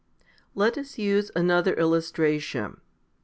4. Let us use another illustration.